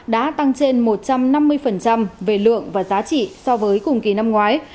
đã tăng trên một trăm năm mươi về lượng và giá trị so với cùng kỳ năm ngoái